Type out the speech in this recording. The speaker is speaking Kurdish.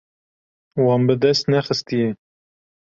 Wan bi dest nexistiye.